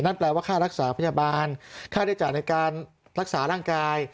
แปลว่าค่ารักษาพยาบาลค่าได้จ่ายในการรักษาร่างกาย